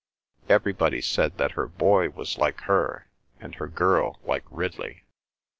Everybody said that her boy was like her and her girl like Ridley.